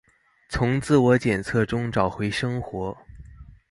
從自我檢測中找回生活